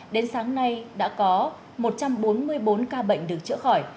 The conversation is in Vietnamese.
đến sáng nay đã có một trăm bốn mươi bốn ca bệnh được chữa khỏi